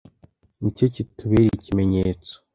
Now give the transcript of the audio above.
ni cyo kitubera ikimenyetso